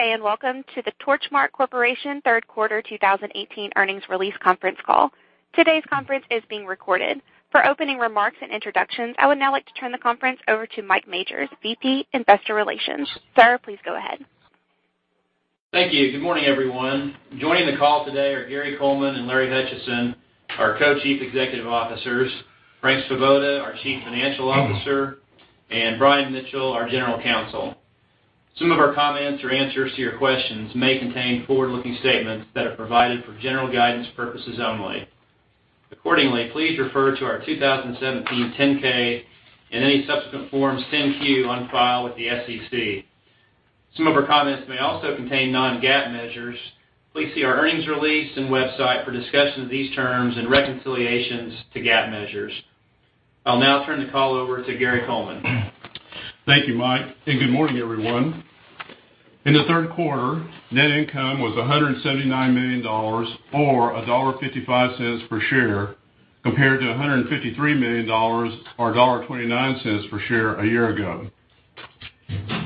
Good day, and welcome to the Torchmark Corporation third quarter 2018 earnings release conference call. Today's conference is being recorded. For opening remarks and introductions, I would now like to turn the conference over to Mike Majors, VP investor relations. Sir, please go ahead. Thank you. Good morning, everyone. Joining the call today are Gary Coleman and Larry Hutchison, our Co-Chief Executive Officers, Frank Svoboda, our Chief Financial Officer, and Brian Mitchell, our General Counsel. Some of our comments or answers to your questions may contain forward-looking statements that are provided for general guidance purposes only. Accordingly, please refer to our 2017 10-K and any subsequent Forms 10-Q on file with the SEC. Some of our comments may also contain non-GAAP measures. Please see our earnings release and website for discussions of these terms and reconciliations to GAAP measures. I'll now turn the call over to Gary Coleman. Thank you, Mike, and good morning, everyone. In the third quarter, net income was $179 million, or $1.55 per share, compared to $153 million or $1.29 per share a year ago.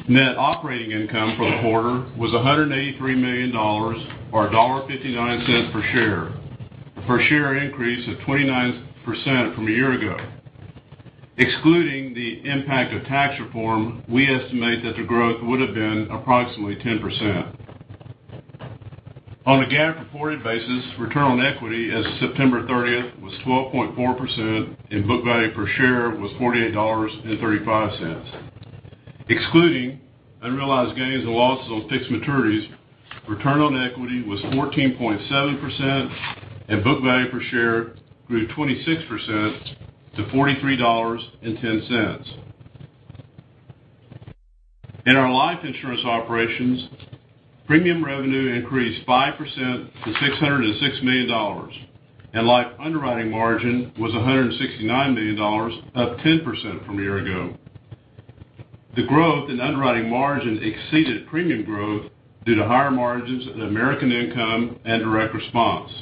Net operating income for the quarter was $183 million, or $1.59 per share, a per-share increase of 29% from a year ago. Excluding the impact of tax reform, we estimate that the growth would have been approximately 10%. On a GAAP reported basis, return on equity as of September 30th was 12.4%, and book value per share was $48.35. Excluding unrealized gains and losses on fixed maturities, return on equity was 14.7%, and book value per share grew 26% to $43.10. In our life insurance operations, premium revenue increased 5% to $606 million, and life underwriting margin was $169 million, up 10% from a year ago. The growth in underwriting margin exceeded premium growth due to higher margins at American Income and Direct Response.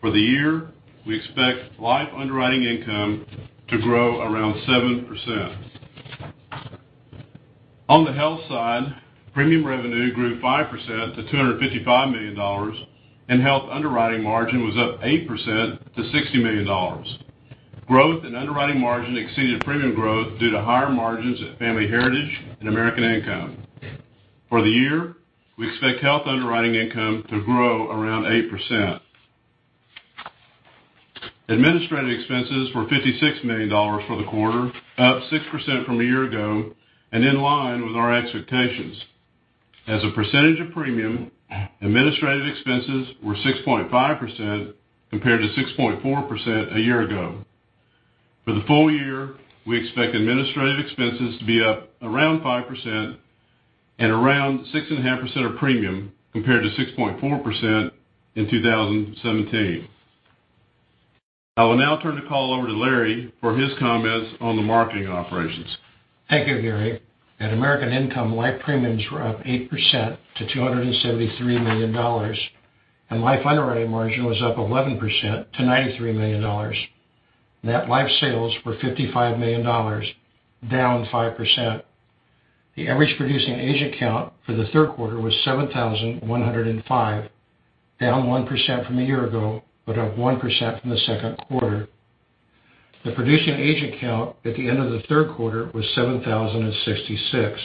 For the year, we expect life underwriting income to grow around 7%. On the health side, premium revenue grew 5% to $255 million, and health underwriting margin was up 8% to $60 million. Growth in underwriting margin exceeded premium growth due to higher margins at Family Heritage and American Income. For the year, we expect health underwriting income to grow around 8%. Administrative expenses were $56 million for the quarter, up 6% from a year ago, and in line with our expectations. As a percentage of premium, administrative expenses were 6.5% compared to 6.4% a year ago. For the full year, we expect administrative expenses to be up around 5% and around 6.5% of premium, compared to 6.4% in 2017. I will now turn the call over to Larry for his comments on the marketing operations. Thank you, Gary. At American Income, life premiums were up 8% to $273 million, and life underwriting margin was up 11% to $93 million. Net life sales were $55 million, down 5%. The average producing agent count for the third quarter was 7,105, down 1% from a year ago, but up 1% from the second quarter. The producing agent count at the end of the third quarter was 7,066.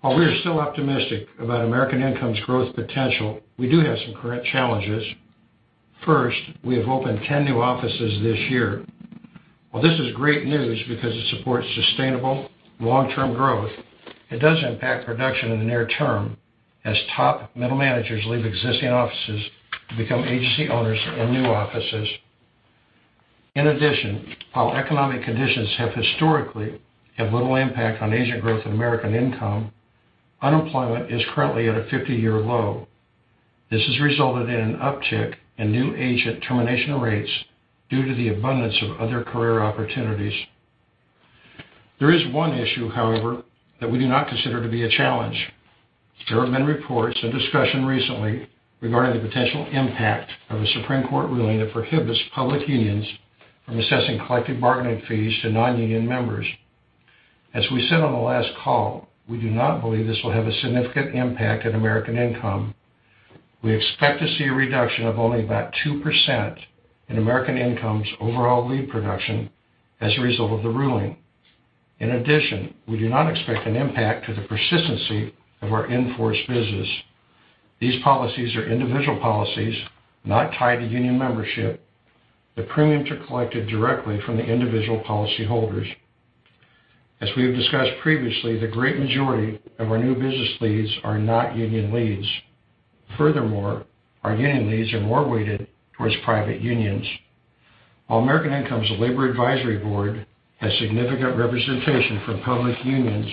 While we are still optimistic about American Income's growth potential, we do have some current challenges. First, we have opened 10 new offices this year. While this is great news because it supports sustainable long-term growth, it does impact production in the near term as top middle managers leave existing offices to become agency owners in new offices. In addition, while economic conditions have historically have little impact on agent growth in American Income, unemployment is currently at a 50-year low. This has resulted in an uptick in new agent termination rates due to the abundance of other career opportunities. There is one issue, however, that we do not consider to be a challenge. There have been reports and discussion recently regarding the potential impact of a Supreme Court ruling that prohibits public unions from assessing collective bargaining fees to non-union members. As we said on the last call, we do not believe this will have a significant impact on American Income. We expect to see a reduction of only about 2% in American Income's overall lead production as a result of the ruling. In addition, we do not expect an impact to the persistency of our in-force business. These policies are individual policies, not tied to union membership. The premiums are collected directly from the individual policyholders. As we have discussed previously, the great majority of our new business leads are not union leads. Furthermore, our union leads are more weighted towards private unions. While American Income's Labor Advisory Board has significant representation from public unions,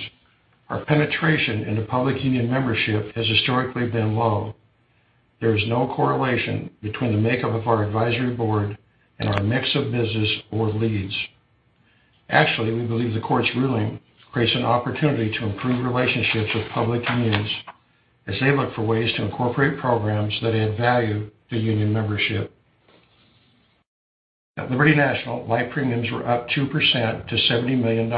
our penetration into public union membership has historically been low. There is no correlation between the makeup of our advisory board and our mix of business or leads. Actually, we believe the court's ruling creates an opportunity to improve relationships with public unions as they look for ways to incorporate programs that add value to union membership. At Liberty National, life premiums were up 2% to $70 million,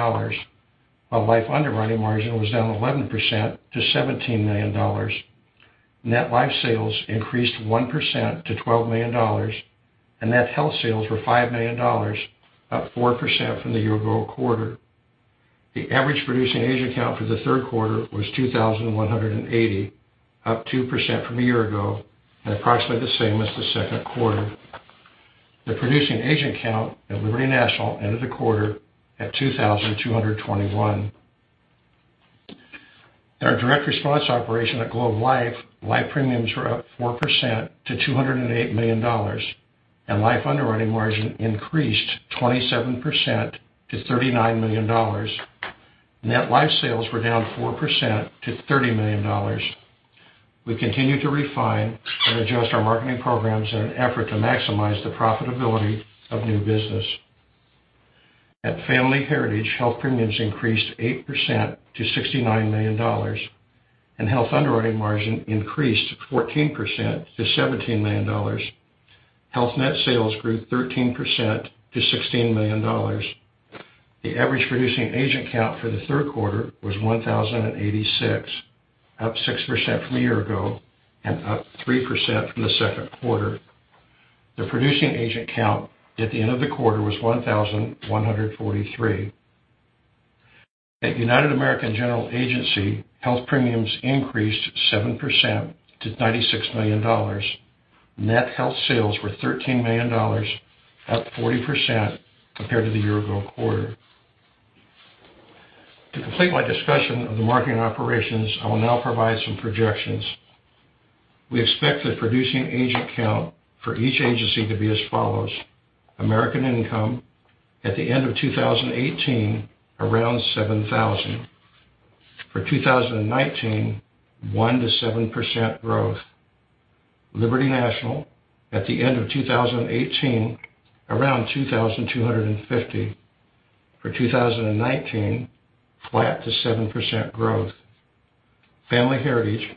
while life underwriting margin was down 11% to $17 million. Net life sales increased 1% to $12 million, and net health sales were $5 million, up 4% from the year-ago quarter. The average producing agent count for the third quarter was 2,180, up 2% from a year-ago, and approximately the same as the second quarter. The producing agent count at Liberty National ended the quarter at 2,221. At our Direct Response operation at Globe Life, life premiums were up 4% to $208 million, and life underwriting margin increased 27% to $39 million. Net life sales were down 4% to $30 million. We continue to refine and adjust our marketing programs in an effort to maximize the profitability of new business. At Family Heritage, health premiums increased 8% to $69 million, and health underwriting margin increased 14% to $17 million. Health net sales grew 13% to $16 million. The average producing agent count for the third quarter was 1,086, up 6% from a year-ago, and up 3% from the second quarter. The producing agent count at the end of the quarter was 1,143. At United American General Agency, health premiums increased 7% to $96 million. Net health sales were $13 million, up 40% compared to the year-ago quarter. To complete my discussion of the marketing operations, I will now provide some projections. We expect the producing agent count for each agency to be as follows. American Income, at the end of 2018, around 7,000. For 2019, 1%-7% growth. Liberty National, at the end of 2018, around 2,250. For 2019, flat to 7% growth. Family Heritage,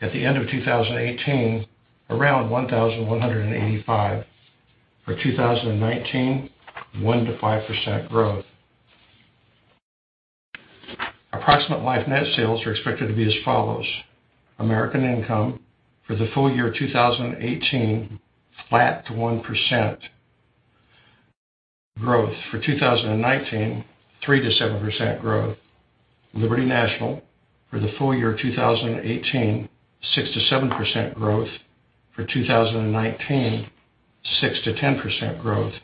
at the end of 2018, around 1,185. For 2019, 1%-5% growth. Approximate life net sales are expected to be as follows. American Income, for the full year 2018, flat to 1% growth. For 2019, 3%-7% growth. Liberty National, for the full year 2018, 6%-7% growth. For 2019, 6%-10% growth.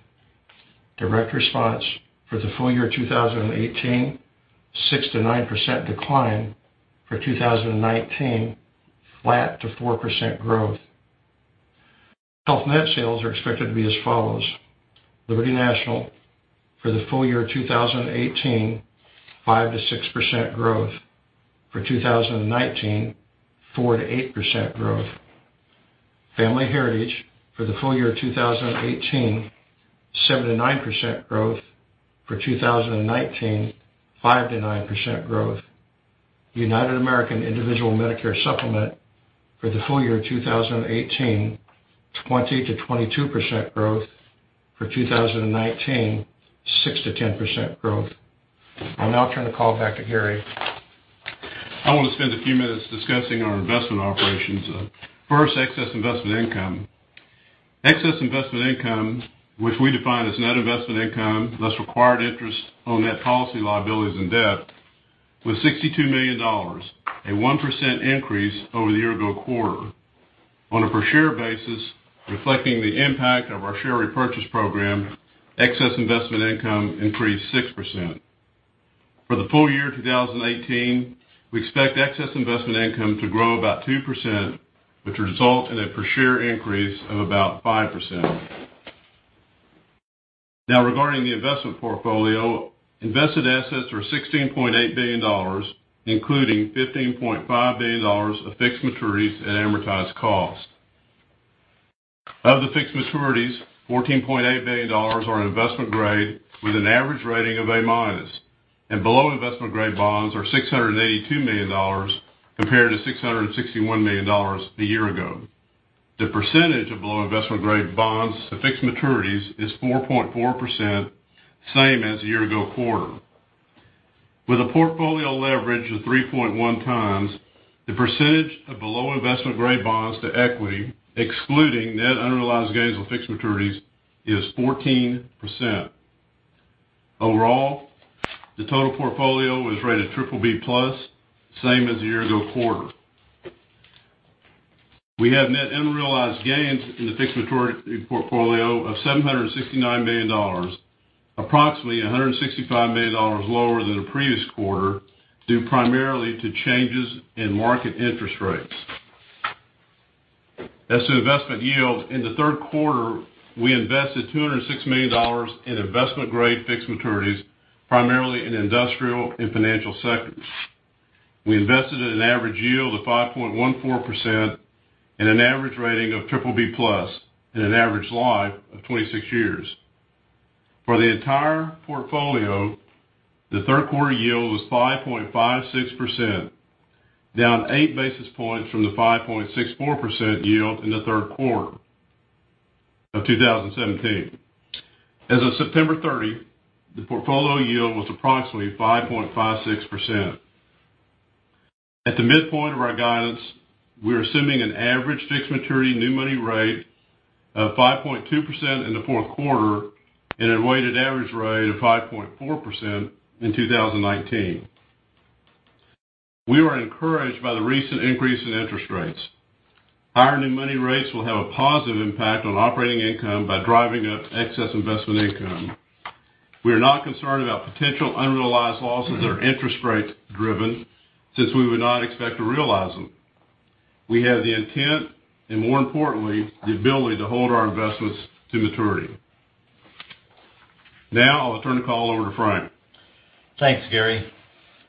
Direct Response, for the full year 2018, 6%-9% decline. For 2019, flat to 4% growth. Health net sales are expected to be as follows. Liberty National, for the full year 2018, 5%-6% growth. For 2019, 4%-8% growth. Family Heritage, for the full year 2018, 7%-9% growth. For 2019, 5%-9% growth. United American Individual Medicare Supplement, for the full year 2018, 20%-22% growth. For 2019, 6%-10% growth. I'll now turn the call back to Gary. I want to spend a few minutes discussing our investment operations. First, excess investment income. Excess investment income, which we define as net investment income, less required interest on net policy liabilities and debt, was $62 million, a 1% increase over the year-ago quarter. On a per share basis, reflecting the impact of our share repurchase program, excess investment income increased 6%. For the full year 2018, we expect excess investment income to grow about 2%, which will result in a per share increase of about 5%. Now, regarding the investment portfolio, invested assets were $16.8 billion, including $15.5 billion of fixed maturities at amortized cost. Of the fixed maturities, $14.8 billion are in investment grade with an average rating of A-, and below investment-grade bonds are $682 million compared to $661 million a year-ago. The percentage of below investment-grade bonds to fixed maturities is 4.4%, same as the year-ago quarter. With a portfolio leverage of 3.1 times, the percentage of below investment-grade bonds to equity, excluding net unrealized gains on fixed maturities, is 14%. Overall, the total portfolio was rated BBB+, same as the year-ago quarter. We have net unrealized gains in the fixed maturity portfolio of $769 million, approximately $165 million lower than the previous quarter, due primarily to changes in market interest rates. As to investment yields, in the third quarter, we invested $206 million in investment-grade fixed maturities, primarily in industrial and financial sectors. We invested at an average yield of 5.14% and an average rating of BBB+ and an average life of 26 years. For the entire portfolio, the third quarter yield was 5.56%, down eight basis points from the 5.64% yield in the third quarter of 2017. As of September 30, the portfolio yield was approximately 5.56%. At the midpoint of our guidance, we are assuming an average fixed maturity new money rate of 5.2% in the fourth quarter and a weighted average rate of 5.4% in 2019. We were encouraged by the recent increase in interest rates. Our new money rates will have a positive impact on operating income by driving up excess investment income. We are not concerned about potential unrealized losses that are interest rate driven, since we would not expect to realize them. We have the intent and more importantly, the ability to hold our investments to maturity. I will turn the call over to Frank. Thanks, Gary.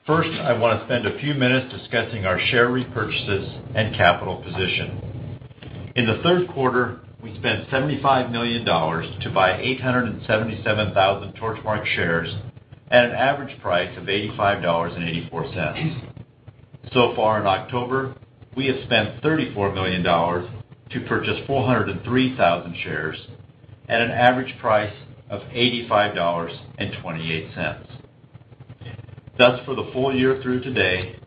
First, I want to spend a few minutes discussing our share repurchases and capital position. In the third quarter, we spent $75 million to buy 877,000 Torchmark shares at an average price of $85.84. In October, we have spent $34 million to purchase 403,000 shares at an average price of $85.28. For the full year through today,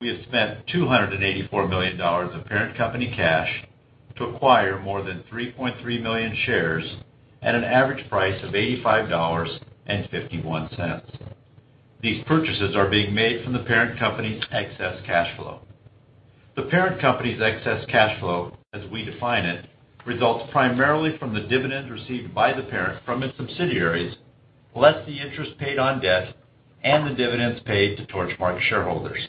we have spent $284 million of parent company cash to acquire more than 3.3 million shares at an average price of $85.51. These purchases are being made from the parent company's excess cash flow. The parent company's excess cash flow, as we define it, results primarily from the dividends received by the parent from its subsidiaries, less the interest paid on debt and the dividends paid to Torchmark shareholders.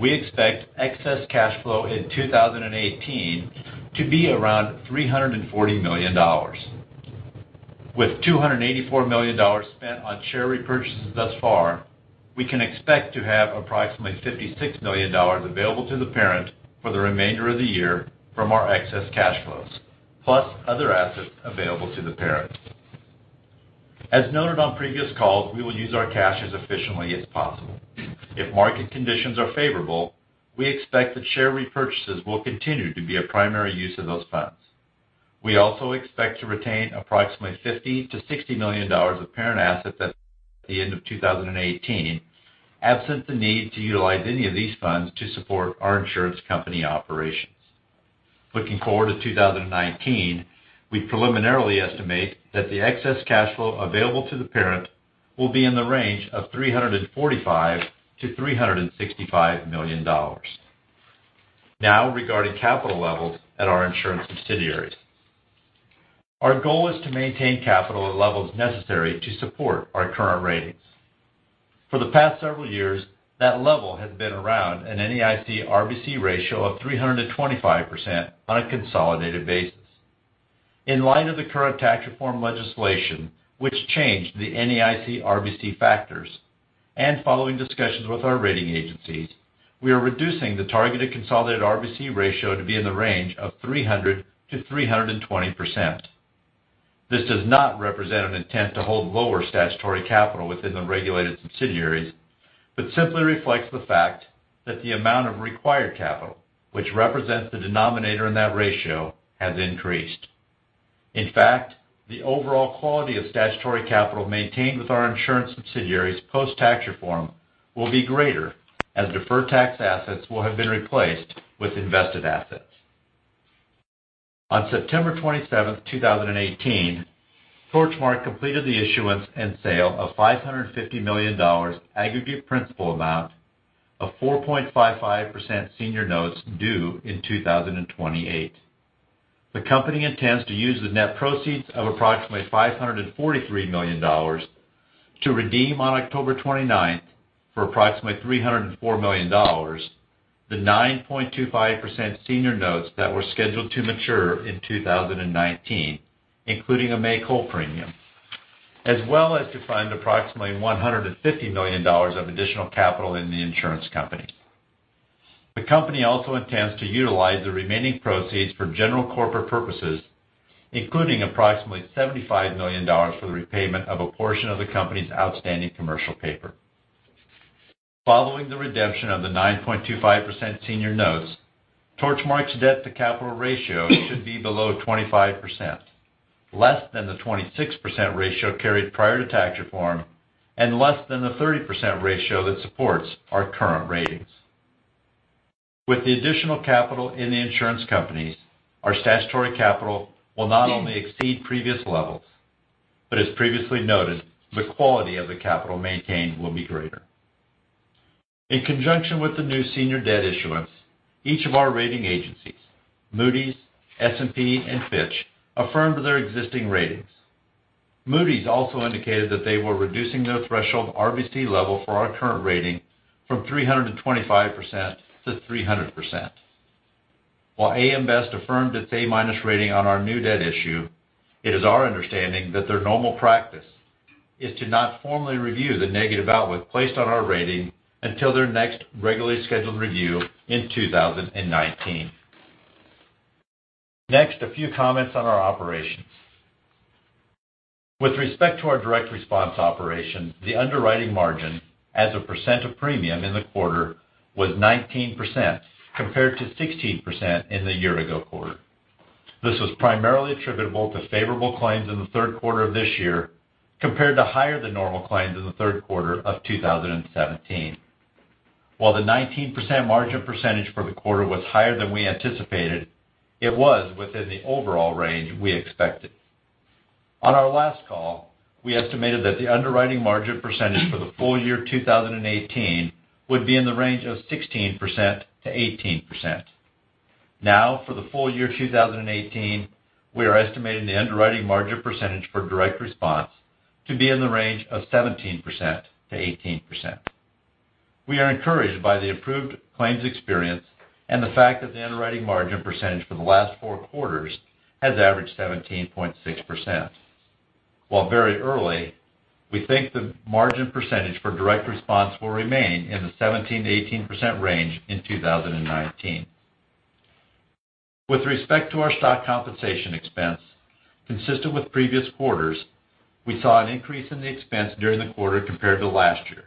We expect excess cash flow in 2018 to be around $340 million. With $284 million spent on share repurchases thus far, we can expect to have approximately $56 million available to the parent for the remainder of the year from our excess cash flows, plus other assets available to the parent. As noted on previous calls, we will use our cash as efficiently as possible. If market conditions are favorable, we expect that share repurchases will continue to be a primary use of those funds. We also expect to retain approximately $50 million to $60 million of parent assets at the end of 2018, absent the need to utilize any of these funds to support our insurance company operations. Looking forward to 2019, we preliminarily estimate that the excess cash flow available to the parent will be in the range of $345 million to $365 million. Regarding capital levels at our insurance subsidiaries. Our goal is to maintain capital at levels necessary to support our current ratings. For the past several years, that level has been around an NAIC RBC ratio of 325% on a consolidated basis. In light of the current tax reform legislation, which changed the NAIC RBC factors, and following discussions with our rating agencies, we are reducing the targeted consolidated RBC ratio to be in the range of 300%-320%. This does not represent an intent to hold lower statutory capital within the regulated subsidiaries, but simply reflects the fact that the amount of required capital, which represents the denominator in that ratio, has increased. In fact, the overall quality of statutory capital maintained with our insurance subsidiaries post-tax reform will be greater as deferred tax assets will have been replaced with invested assets. On September 27th, 2018, Torchmark completed the issuance and sale of $550 million aggregate principal amount of 4.55% senior notes due in 2028. The company intends to use the net proceeds of approximately $543 million to redeem on October 29th for approximately $304 million the 9.25% senior notes that were scheduled to mature in 2019, including a make-whole premium, as well as to fund approximately $150 million of additional capital in the insurance company. The company also intends to utilize the remaining proceeds for general corporate purposes, including approximately $75 million for the repayment of a portion of the company's outstanding commercial paper. Following the redemption of the 9.25% senior notes, Torchmark's debt to capital ratio should be below 25%, less than the 26% ratio carried prior to tax reform and less than the 30% ratio that supports our current ratings. With the additional capital in the insurance companies, our statutory capital will not only exceed previous levels, but as previously noted, the quality of the capital maintained will be greater. In conjunction with the new senior debt issuance, each of our rating agencies, Moody's, S&P, and Fitch, affirmed their existing ratings. Moody's also indicated that they were reducing their threshold RBC level for our current rating from 325% to 300%. While AM Best affirmed its A- rating on our new debt issue, it is our understanding that their normal practice is to not formally review the negative outlook placed on our rating until their next regularly scheduled review in 2019. A few comments on our operations. With respect to our Direct Response operation, the underwriting margin as a percent of premium in the quarter was 19% compared to 16% in the year-ago quarter. This was primarily attributable to favorable claims in the third quarter of this year compared to higher than normal claims in the third quarter of 2017. While the 19% margin percentage for the quarter was higher than we anticipated, it was within the overall range we expected. On our last call, we estimated that the underwriting margin percentage for the full year 2018 would be in the range of 16%-18%. For the full year 2018, we are estimating the underwriting margin percentage for Direct Response to be in the range of 17%-18%. We are encouraged by the improved claims experience and the fact that the underwriting margin percentage for the last four quarters has averaged 17.6%. While very early, we think the margin percentage for Direct Response will remain in the 17%-18% range in 2019. With respect to our stock compensation expense, consistent with previous quarters, we saw an increase in the expense during the quarter compared to last year,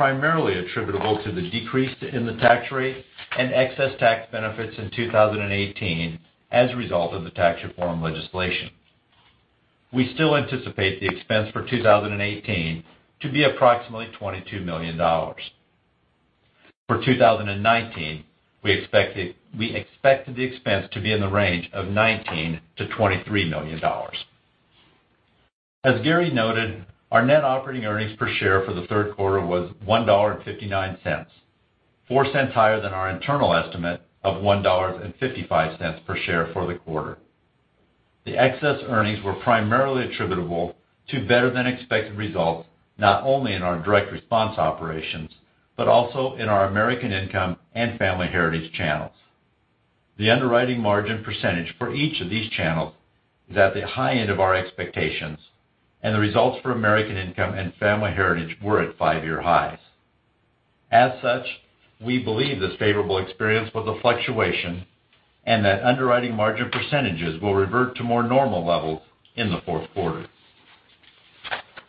primarily attributable to the decrease in the tax rate and excess tax benefits in 2018 as a result of the tax reform legislation. We still anticipate the expense for 2018 to be approximately $22 million. For 2019, we expected the expense to be in the range of $19 million-$23 million. As Gary noted, our net operating earnings per share for the third quarter was $1.59, $0.04 higher than our internal estimate of $1.55 per share for the quarter. The excess earnings were primarily attributable to better than expected results, not only in our Direct Response operations, but also in our American Income and Family Heritage channels. The underwriting margin percentage for each of these channels is at the high end of our expectations, and the results for American Income and Family Heritage were at five-year highs. As such, we believe this favorable experience was a fluctuation, and that underwriting margin percentages will revert to more normal levels in the fourth quarter.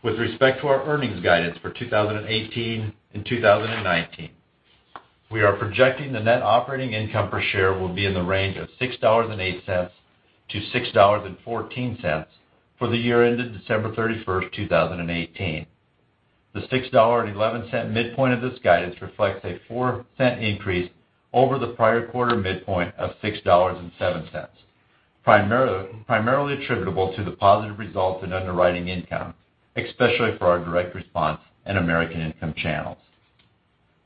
With respect to our earnings guidance for 2018 and 2019, we are projecting the net operating income per share will be in the range of $6.08-$6.14 for the year ended December 31, 2018. The $6.11 midpoint of this guidance reflects a $0.04 increase over the prior quarter midpoint of $6.07, primarily attributable to the positive results in underwriting income, especially for our Direct Response and American Income channels.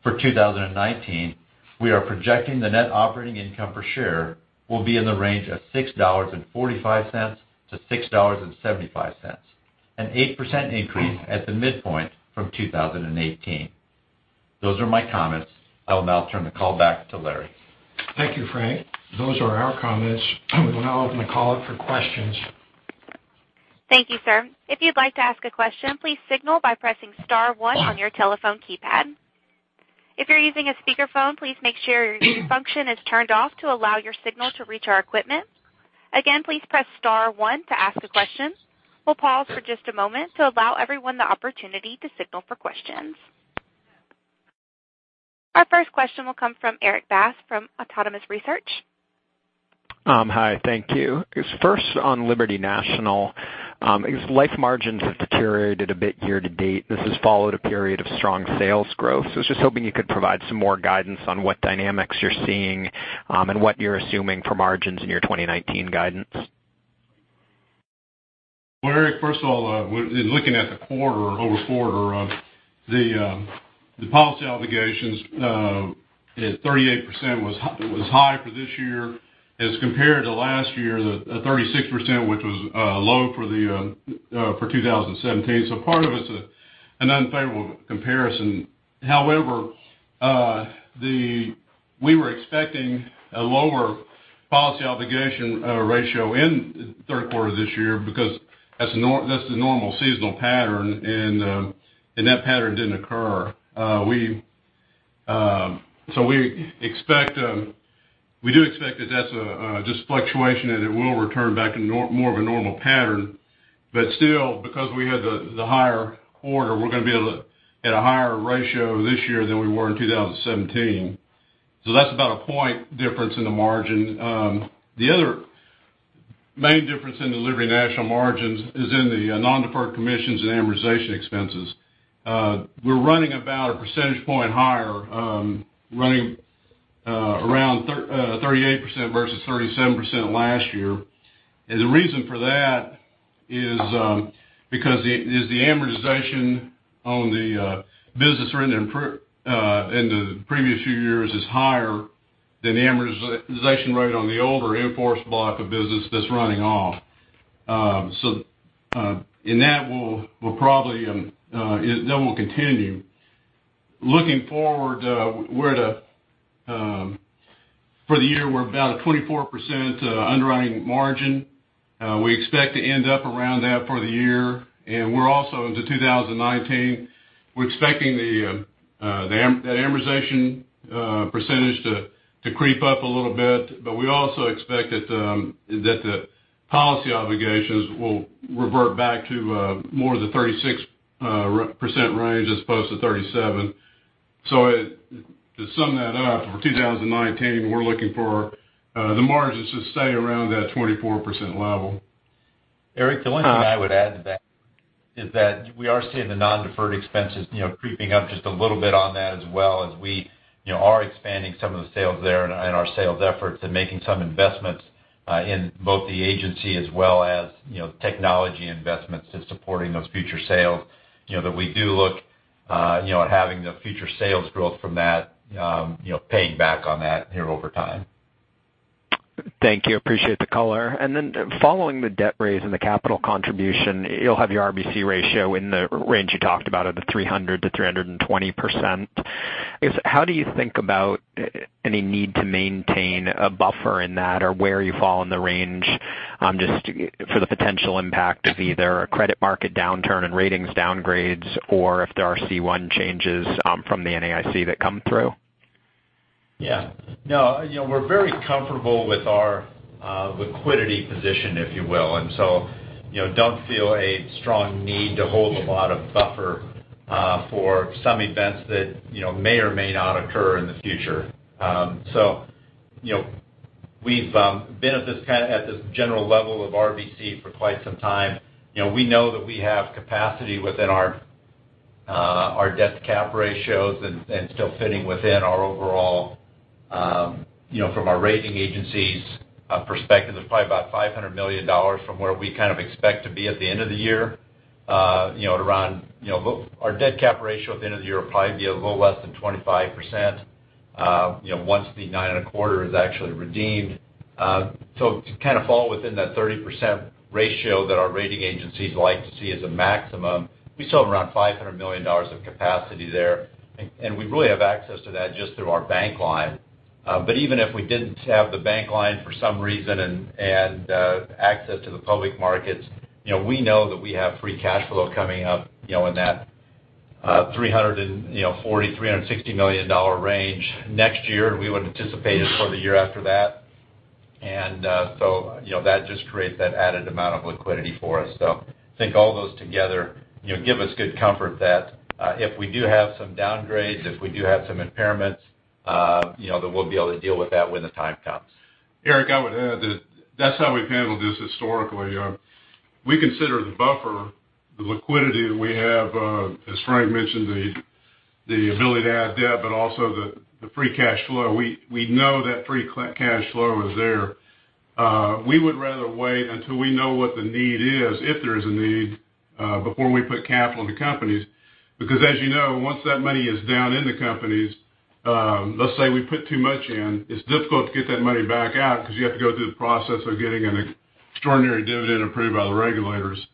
For 2019, we are projecting the net operating income per share will be in the range of $6.45-$6.75, an 8% increase at the midpoint from 2018. Those are my comments. I will now turn the call back to Larry. Thank you, Frank. Those are our comments. We will now open the call up for questions. Thank you, sir. If you'd like to ask a question, please signal by pressing star one on your telephone keypad. If you're using a speakerphone, please make sure your mute function is turned off to allow your signal to reach our equipment. Again, please press star one to ask a question. We'll pause for just a moment to allow everyone the opportunity to signal for questions. Our first question will come from Erik Bass, from Autonomous Research. Hi, thank you. First on Liberty National. Life margins have deteriorated a bit year to date. This has followed a period of strong sales growth. I was just hoping you could provide some more guidance on what dynamics you're seeing, and what you're assuming for margins in your 2019 guidance. Well, Erik, first of all, in looking at the quarter-over-quarter, the policy obligations at 38% was high for this year as compared to last year at 36%, which was low for 2017. However, we were expecting a lower policy obligation ratio in the third quarter of this year because that's the normal seasonal pattern, and that pattern didn't occur. We do expect that that's just fluctuation, and it will return back in more of a normal pattern. Still, because we had the higher quarter, we're going to be at a higher ratio this year than we were in 2017. That's about a point difference in the margin. The other main difference in the Liberty National margins is in the non-deferred commissions and amortization expenses. We're running about a percentage point higher, running around 38% versus 37% last year. The reason for that is because the amortization on the business written in the previous few years is higher than the amortization rate on the older in-force block of business that's running off. That will continue. Looking forward, for the year, we're about at 24% underwriting margin. We expect to end up around that for the year, and we're also into 2019. We're expecting that amortization percentage to creep up a little bit, we also expect that the policy obligations will revert back to more of the 36% range as opposed to 37. To sum that up, for 2019, we're looking for the margins to stay around that 24% level. Erik, the only thing I would add to that is that we are seeing the non-deferred expenses creeping up just a little bit on that as well as we are expanding some of the sales there in our sales efforts and making some investments in both the agency as well as technology investments in supporting those future sales, that we do look at having the future sales growth from that, paying back on that over time. Thank you. Appreciate the color. Following the debt raise and the capital contribution, you'll have your RBC ratio in the range you talked about of the 300%-320%. How do you think about any need to maintain a buffer in that or where you fall in the range, just for the potential impact of either a credit market downturn and ratings downgrades or if there are C1 changes from the NAIC that come through? We're very comfortable with our liquidity position, if you will. Do not feel a strong need to hold a lot of buffer for some events that may or may not occur in the future. We've been at this general level of RBC for quite some time. We know that we have capacity within our debt-to-cap ratios and still fitting within our overall, from our rating agencies perspective, it's probably about $500 million from where we kind of expect to be at the end of the year. Our debt-cap ratio at the end of the year will probably be a little less than 25%, once the nine and a quarter is actually redeemed. To kind of fall within that 30% ratio that our rating agencies like to see as a maximum, we still have around $500 million of capacity there, and we really have access to that just through our bank line. Even if we didn't have the bank line for some reason and access to the public markets, we know that we have free cash flow coming up in that $340, $360 million range next year, and we would anticipate it for the year after that. That just creates that added amount of liquidity for us. I think all those together give us good comfort that, if we do have some downgrades, if we do have some impairments, that we'll be able to deal with that when the time comes. Erik, I would add that that's how we've handled this historically. We consider the buffer, the liquidity that we have, as Frank mentioned, the ability to add debt, also the free cash flow. We know that free cash flow is there. We would rather wait until we know what the need is, if there is a need, before we put capital into companies. As you know, once that money is down in the companies, let's say we put too much in, it's difficult to get that money back out because you have to go through the process of getting an extraordinary dividend approved by the regulators.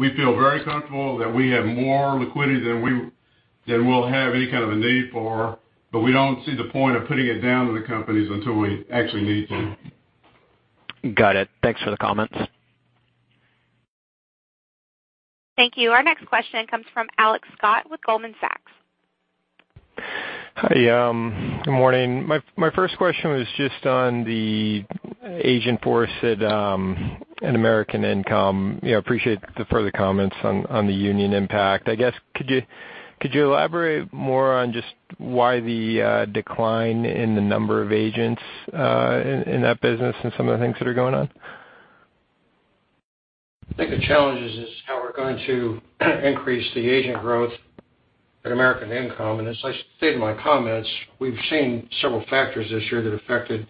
We feel very comfortable that we have more liquidity than we'll have any kind of a need for, we don't see the point of putting it down to the companies until we actually need to. Got it. Thanks for the comments. Thank you. Our next question comes from Alex Scott with Goldman Sachs. Hi, good morning. My first question was just on the agent force at American Income. Appreciate the further comments on the union impact. Could you elaborate more on just why the decline in the number of agents in that business and some of the things that are going on? I think the challenge is how we're going to increase the agent growth at American Income. As I stated in my comments, we've seen several factors this year that affected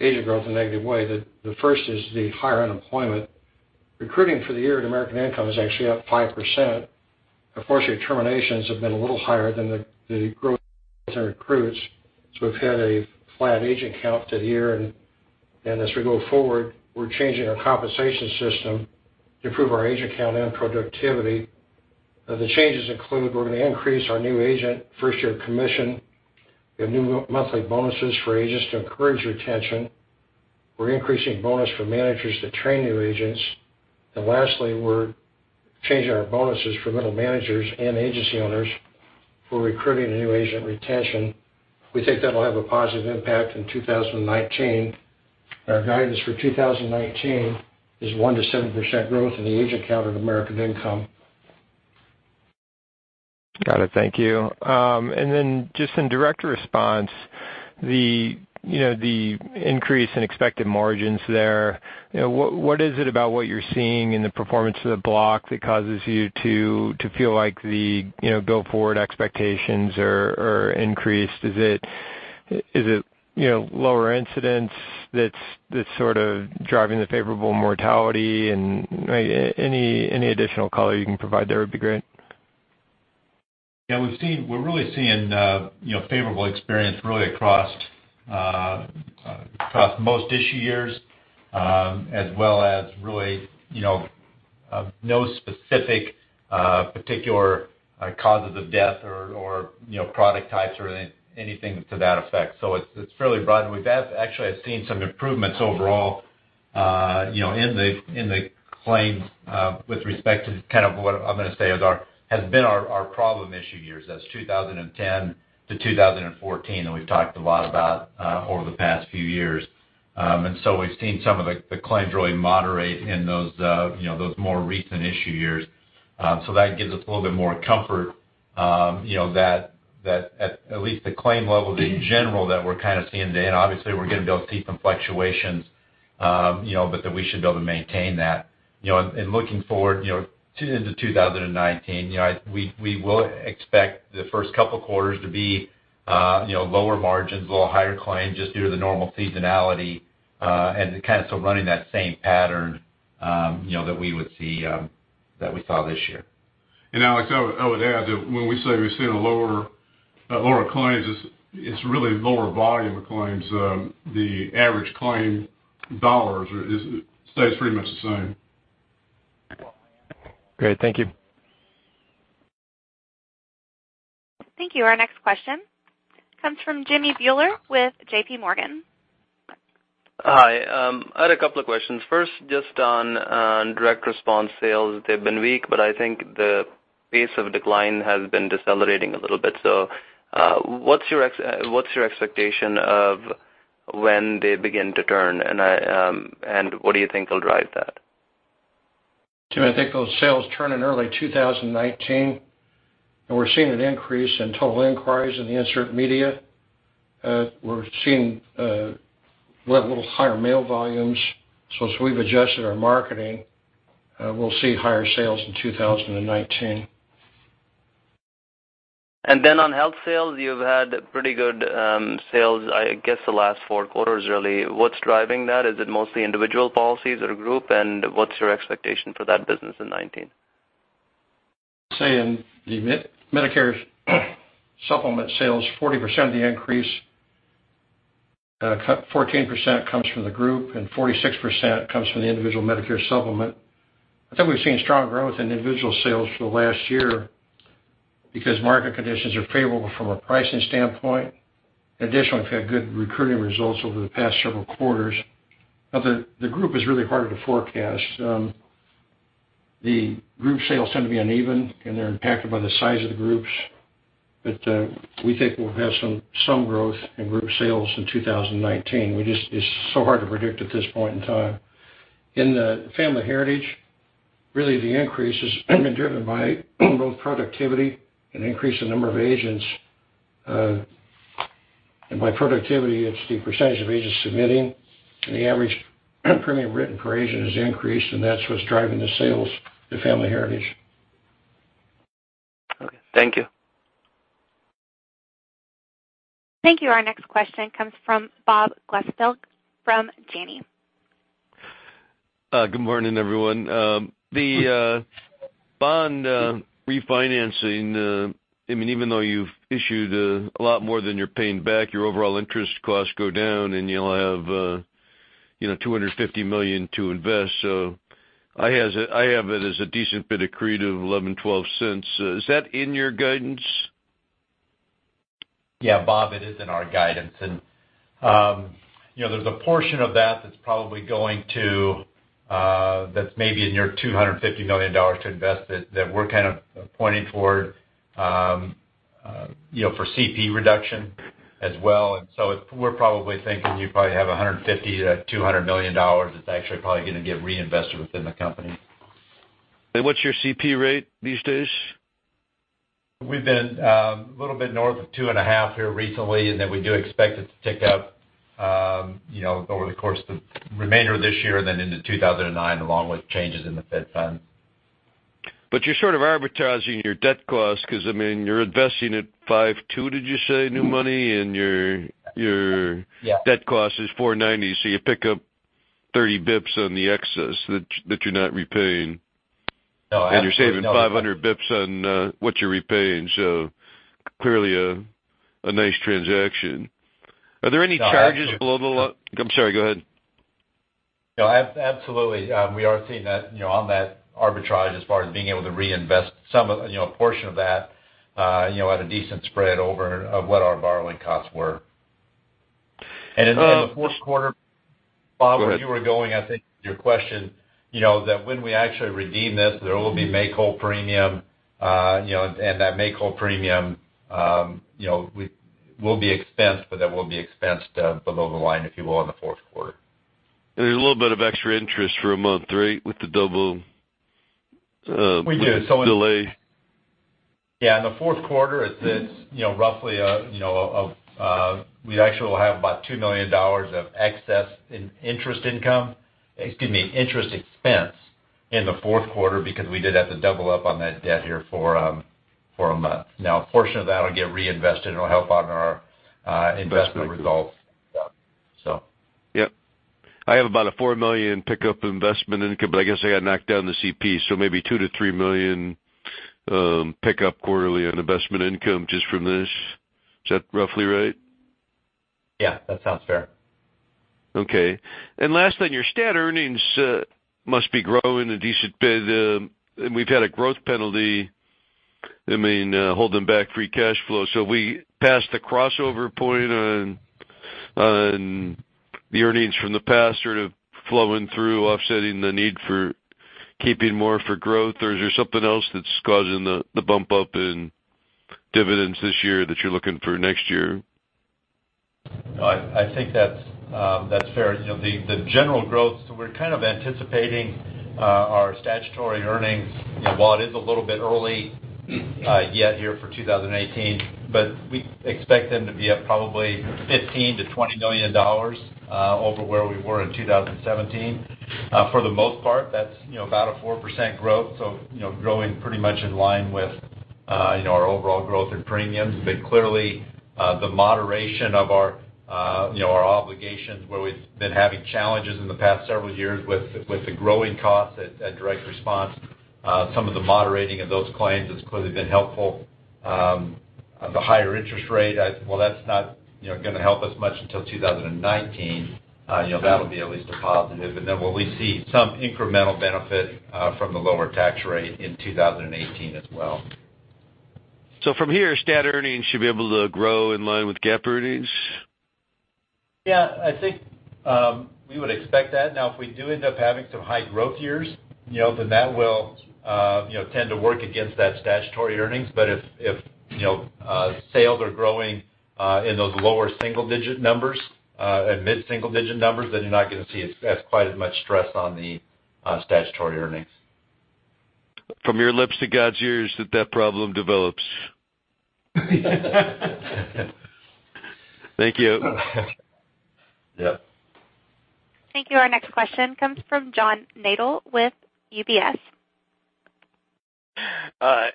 agent growth in a negative way. The first is the higher unemployment. Recruiting for the year at American Income is actually up 5%. Unfortunately, terminations have been a little higher than the growth in recruits, so we've had a flat agent count to the year. As we go forward, we're changing our compensation system to improve our agent count and productivity. The changes include we're going to increase our new agent first-year commission. We have new monthly bonuses for agents to encourage retention. We're increasing bonus for managers to train new agents. Lastly, we're changing our bonuses for middle managers and agency owners for recruiting and new agent retention. We think that'll have a positive impact in 2019. Our guidance for 2019 is 1%-7% growth in the agent count at American Income. Got it. Thank you. Then just in Direct Response, the increase in expected margins there, what is it about what you're seeing in the performance of the block that causes you to feel like the go-forward expectations are increased? Is it lower incidents that's sort of driving the favorable mortality? Any additional color you can provide there would be great. Yeah, we're really seeing favorable experience really across most issue years, as well as really no specific particular causes of death or product types or anything to that effect. It's fairly broad. Actually, I've seen some improvements overall in the claims with respect to kind of what I'm going to say has been our problem issue years. That's 2010-2014 that we've talked a lot about over the past few years. We've seen some of the claims really moderate in those more recent issue years. That gives us a little bit more comfort that at least the claim level in general that we're kind of seeing there, and obviously we're going to be able to see some fluctuations, but that we should be able to maintain that. In looking forward into 2019, we will expect the first couple quarters to be lower margins, a little higher claims, just due to the normal seasonality, and kind of still running that same pattern that we saw this year. Alex, I would add that when we say we've seen a lower claims, it's really lower volume of claims. The average claim dollars stays pretty much the same. Great. Thank you. Thank you. Our next question comes from Jimmy Bhullar with JPMorgan. Hi. I had a couple of questions. First, just on Direct Response sales. They've been weak, but I think the pace of decline has been decelerating a little bit. What's your expectation of when they begin to turn? What do you think will drive that? Jimmy, I think those sales turn in early 2019. We're seeing an increase in total inquiries in the insert media. We're seeing a little higher mail volumes. As we've adjusted our marketing, we'll see higher sales in 2019. On health sales, you've had pretty good sales, I guess the last four quarters, really. What's driving that? Is it mostly individual policies or group? What's your expectation for that business in 2019? Say in the Medicare Supplement sales, 40% of the increase, 14% comes from the group and 46% comes from the individual Medicare Supplement. I think we've seen strong growth in individual sales for the last year because market conditions are favorable from a pricing standpoint. Additionally, we've had good recruiting results over the past several quarters. The group is really harder to forecast. The group sales tend to be uneven, and they're impacted by the size of the groups. We think we'll have some growth in group sales in 2019. It's just so hard to predict at this point in time. In the Family Heritage, really the increase has been driven by both productivity and increase in number of agents. By productivity, it's the percentage of agents submitting, and the average premium written per agent has increased and that's what's driving the sales to Family Heritage. Okay. Thank you. Thank you. Our next question comes from Bob Glasskin from Janney. Good morning, everyone. The bond refinancing, even though you've issued a lot more than you're paying back, your overall interest costs go down, and you'll have $250 million to invest. I have it as a decent bit accretive, $0.11, $0.12. Is that in your guidance? Yeah, Bob, it is in our guidance. There's a portion of that that's maybe in your $250 million to invest that we're kind of pointing toward for CP reduction as well. We're probably thinking you probably have $150 million-$200 million that's actually probably going to get reinvested within the company. What's your CP rate these days? We've been a little bit north of 2.5 here recently, and then we do expect it to tick up over the course of the remainder of this year than into 2009, along with changes in the Fed funds. You're sort of arbitraging your debt cost because you're investing at 5.2, did you say, new money? Yeah Debt cost is 490. You pick up 30 basis points on the excess that you're not repaying. Oh, absolutely. You're saving 500 basis points on what you're repaying. Clearly a nice transaction. Are there any charges below I'm sorry, go ahead. No, absolutely. We are seeing that on that arbitrage as far as being able to reinvest a portion of that at a decent spread over of what our borrowing costs were. In the fourth quarter, Bob, where you were going, I think with your question, that when we actually redeem this, there will be make-whole premium, and that make-whole premium will be expensed, but that will be expensed below the line, if you will, in the fourth quarter. There's a little bit of extra interest for a month, right. We do with the delay. In the fourth quarter, we actually will have about $2 million of excess interest income, excuse me, interest expense in the fourth quarter because we did have to double up on that debt here for a month. A portion of that will get reinvested, and it'll help on our investment results. I have about a $4 million pickup investment income, I guess I got knocked down the CP, so maybe $2 million-$3 million pickup quarterly on investment income just from this. Is that roughly right? Yeah, that sounds fair. Okay. Last thing, your stat earnings must be growing a decent bit. We've had a growth penalty, I mean, holding back free cash flow. We passed the crossover point on the earnings from the past sort of flowing through, offsetting the need for keeping more for growth. Is there something else that's causing the bump up in dividends this year that you're looking for next year? I think that's fair. The general growth. We're kind of anticipating our statutory earnings, while it is a little bit early yet here for 2018, but we expect them to be up probably $15 million-$20 million, over where we were in 2017. For the most part, that's about a 4% growth. Growing pretty much in line with our overall growth in premiums. Clearly, the moderation of our obligations, where we've been having challenges in the past several years with the growing costs at Direct Response, some of the moderating of those claims has clearly been helpful. The higher interest rate, well, that's not going to help us much until 2019. That'll be at least a positive. We see some incremental benefit from the lower tax rate in 2018 as well. From here, stat earnings should be able to grow in line with GAAP earnings? I think, we would expect that. If we do end up having some high-growth years, then that will tend to work against that statutory earnings. If sales are growing in those lower single-digit numbers, mid-single-digit numbers, then you're not going to see as quite as much stress on the statutory earnings. From your lips to God's ears that problem develops. Thank you. Yeah. Thank you. Our next question comes from John Nadel with UBS.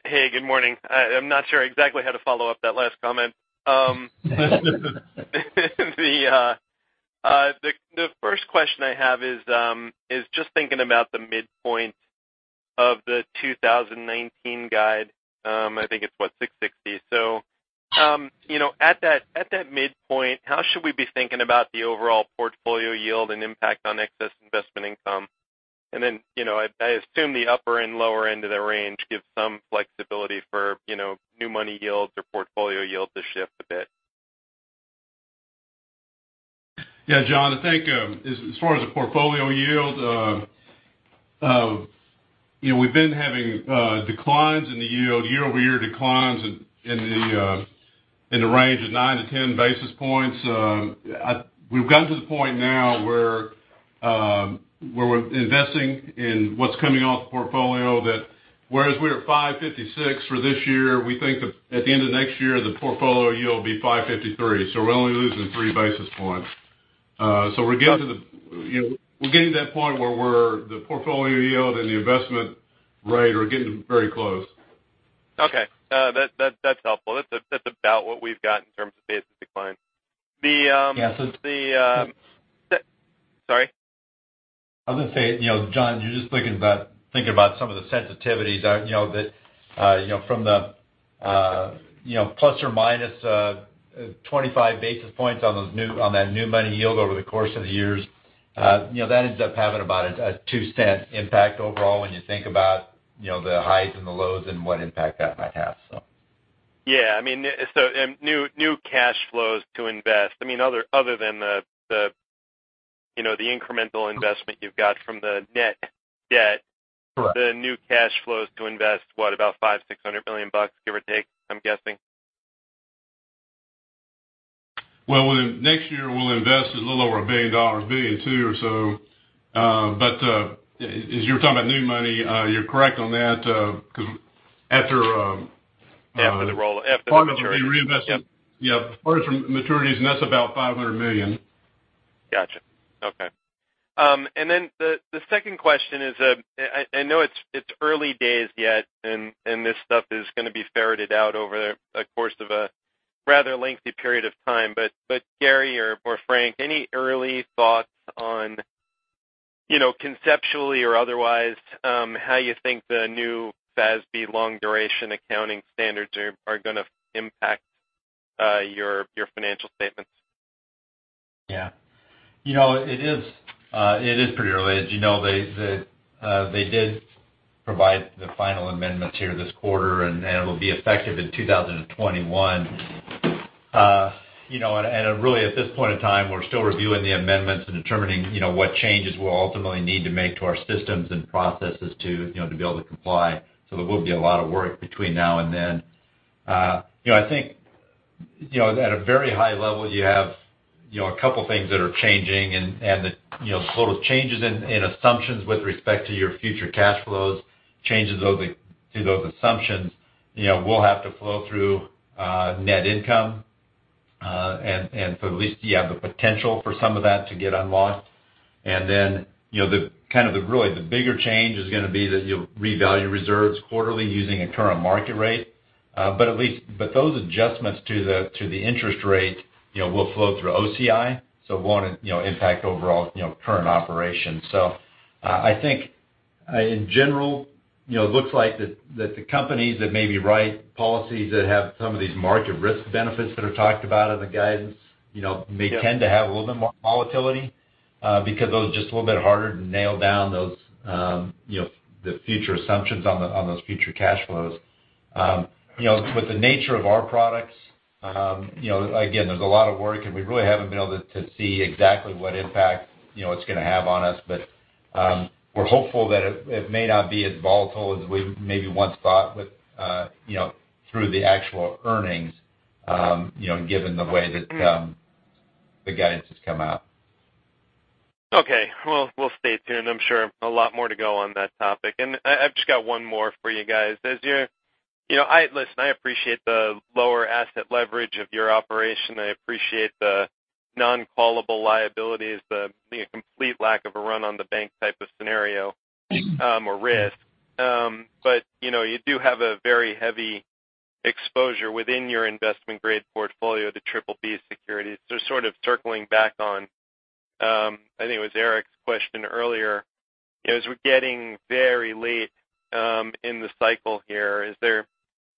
Hey, good morning. I'm not sure exactly how to follow up that last comment. The first question I have is just thinking about the midpoint of the 2019 guide, I think it's, what, 660. At that midpoint, how should we be thinking about the overall portfolio yield and impact on excess investment income? I assume the upper and lower end of the range gives some flexibility for new money yields or portfolio yield to shift a bit. Yeah, John, I think, as far as the portfolio yield, we've been having declines in the yield, year-over-year declines in the range of nine to 10 basis points. We've gotten to the point now where we're investing in what's coming off the portfolio that whereas we're at 556 for this year, we think at the end of next year, the portfolio yield will be 553. We're only losing three basis points. We're getting to that point where the portfolio yield and the investment rate are getting very close. Okay. That's helpful. That's about what we've got in terms of basis decline. Yeah. Sorry? I was going to say, John, you're just thinking about some of the sensitivities from the ±25 basis points on that new money yield over the course of the years. That ends up having about a $0.02 impact overall when you think about the highs and the lows and what impact that might have. Yeah. I mean, new cash flows to invest, other than the incremental investment you've got from the net debt- Correct The new cash flows to invest, what about $500 million, $600 million, give or take, I'm guessing? Well, next year we'll invest a little over $1 billion, $1.2 billion or so. As you're talking about new money, you're correct on that, because after- After the roll, after the maturity Yeah. After maturities, that's about $500 million. Got you. Okay. The second question is, I know it's early days yet, this stuff is going to be ferreted out over a course of a rather lengthy period of time, Gary or Frank, any early thoughts on, conceptually or otherwise, how you think the new FASB long-duration accounting standards are going to impact your financial statements? Yeah. It is pretty early. As you know, they did provide the final amendments here this quarter, it'll be effective in 2021. Really, at this point in time, we're still reviewing the amendments and determining what changes we'll ultimately need to make to our systems and processes to be able to comply. There will be a lot of work between now and then. I think at a very high level, you have a couple things that are changing, the sort of changes in assumptions with respect to your future cash flows, changes to those assumptions, will have to flow through net income. For at least you have the potential for some of that to get unlocked. Then, kind of really the bigger change is going to be that you'll revalue reserves quarterly using a current market rate. Those adjustments to the interest rate will flow through OCI, it won't impact overall current operations. In general, it looks like that the companies that maybe write policies that have some of these market risk benefits that are talked about in the guidance may tend to have a little bit more volatility because those are just a little bit harder to nail down the future assumptions on those future cash flows. With the nature of our products, again, there's a lot of work, we really haven't been able to see exactly what impact it's going to have on us. We're hopeful that it may not be as volatile as we maybe once thought through the actual earnings, given the way that the guidance has come out. We'll stay tuned. I'm sure a lot more to go on that topic. I've just got one more for you guys. Listen, I appreciate the lower asset leverage of your operation. I appreciate the non-callable liabilities, the complete lack of a run-on-the-bank type of scenario or risk. You do have a very heavy exposure within your investment-grade portfolio to BBB securities. Circling back on, I think it was Erik's question earlier, as we're getting very late in the cycle here, is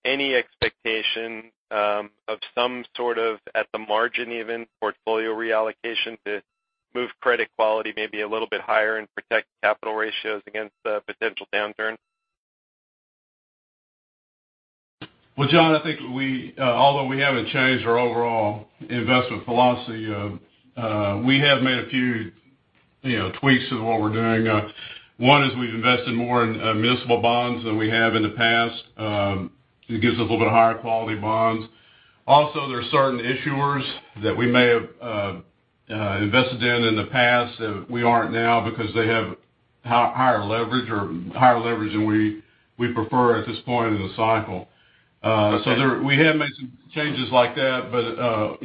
there any expectation of some sort of, at the margin even, portfolio reallocation to move credit quality maybe a little bit higher and protect capital ratios against a potential downturn? John, I think although we haven't changed our overall investment philosophy, we have made a few tweaks to what we're doing. One is we've invested more in municipal bonds than we have in the past. It gives us a little bit higher quality bonds. Also, there are certain issuers that we may have invested in in the past that we aren't now because they have higher leverage than we prefer at this point in the cycle. We have made some changes like that,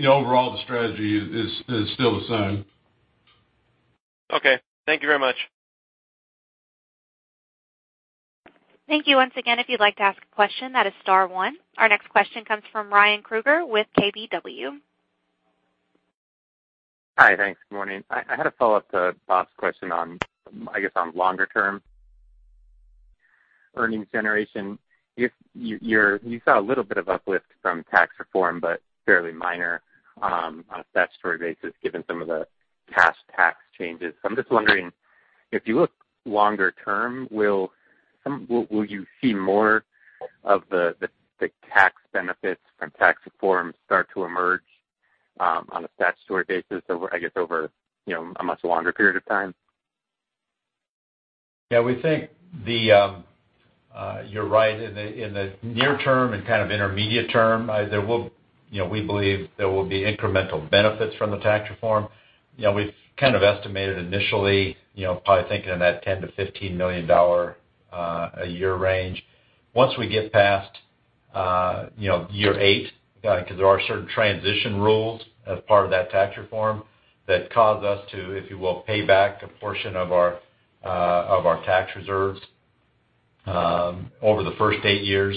overall, the strategy is still the same. Thank you very much. Thank you once again. If you'd like to ask a question, that is star one. Our next question comes from Ryan Krueger with KBW. Hi. Thanks. Good morning. I had a follow-up to Bob's question on longer-term earnings generation. You saw a little bit of uplift from tax reform but fairly minor on a statutory basis given some of the past tax changes. I'm just wondering, if you look longer term, will you see more of the tax benefits from tax reform start to emerge on a statutory basis, I guess, over a much longer period of time? Yeah, we think you're right. In the near term and kind of intermediate term, we believe there will be incremental benefits from the tax reform. We've kind of estimated initially probably thinking in that $10 million-$15 million a year range. Once we get past year eight, because there are certain transition rules as part of that tax reform that cause us to, if you will, pay back a portion of our tax reserves over the first eight years.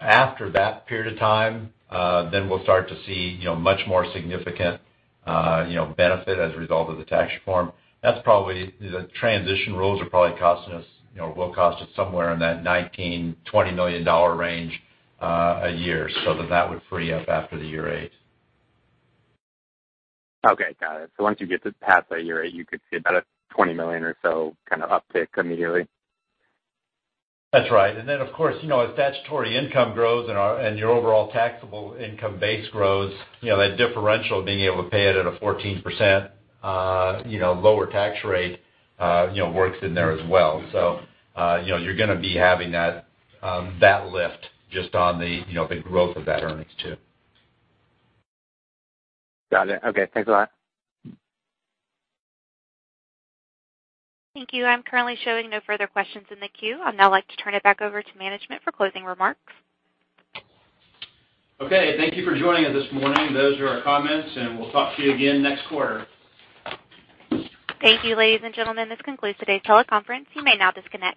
After that period of time, we'll start to see much more significant benefit as a result of the tax reform. The transition rules will cost us somewhere in that $19 million-$20 million range a year. That would free up after the year eight. Okay. Got it. Once you get past that year eight, you could see about a $20 million or so kind of uptick immediately? That's right. Then, of course, as statutory income grows and your overall taxable income base grows, that differential of being able to pay it at a 14% lower tax rate works in there as well. You're going to be having that lift just on the growth of that earnings too. Got it. Okay. Thanks a lot. Thank you. I'm currently showing no further questions in the queue. I'd now like to turn it back over to management for closing remarks. Okay. Thank you for joining us this morning. Those are our comments, and we'll talk to you again next quarter. Thank you, ladies and gentlemen. This concludes today's teleconference. You may now disconnect.